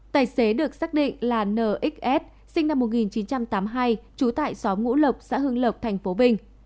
tài xế được xác định là nxs sinh năm một nghìn chín trăm tám mươi hai trú tại xóm ngũ lộc xã hưng lộc tp vinh